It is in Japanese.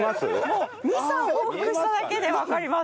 もう２３往復しただけでわかります。